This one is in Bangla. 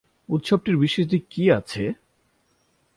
উৎসবটির বিশেষ দিক কী আছে?